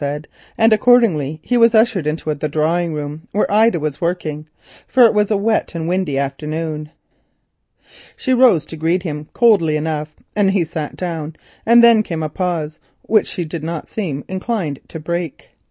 He was ushered into the drawing room, where Ida was working, for it was a wet and windy afternoon. She rose to greet him coldly enough, and he sat down, and then came a pause which she did not seem inclined to break.